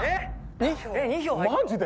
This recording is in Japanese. マジで？